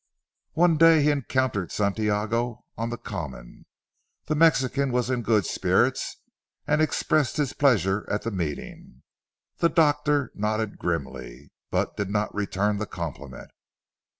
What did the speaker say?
One day he encountered Santiago on the common. The Mexican was in good spirits and expressed his pleasure at the meeting. The doctor nodded grimly, but did not return the compliment.